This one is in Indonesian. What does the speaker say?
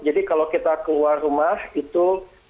jadi kalau kita keluar rumah itu